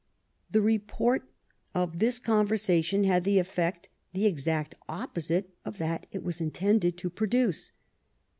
The report of this conversation had the effect the exact opposite of that it was intended to produce.